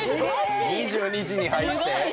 ２２時に入って？